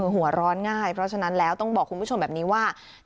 หัวร้อนง่ายเพราะฉะนั้นแล้วต้องบอกคุณผู้ชมแบบนี้ว่า